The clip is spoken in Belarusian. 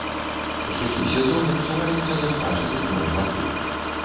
У сухі сезон адчуваецца нястача пітной вады.